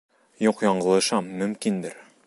Юҡ, яңылышам, мөмкиндер.